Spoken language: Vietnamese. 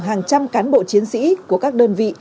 hàng trăm cán bộ chiến sĩ của các đơn vị